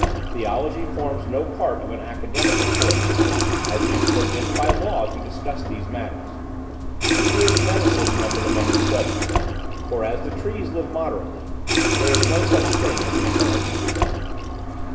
Theology forms no part of an academical course, as it is forbidden by law to discuss these matters. Neither is medicine numbered among the studies; for, as the trees live moderately, there is no such thing as internal disease.